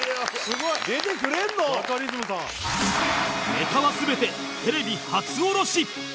ネタは全てテレビ初おろし